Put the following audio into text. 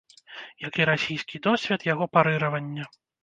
Як і расійскі досвед яго парыравання.